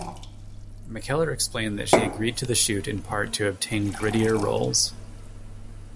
McKellar explained that she agreed to the shoot in part to obtain "grittier roles".